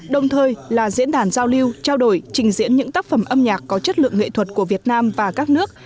đồng thời là diễn đàn giao lưu trao đổi trình diễn những tác phẩm âm nhạc có chất lượng nghệ thuật của việt nam và các nước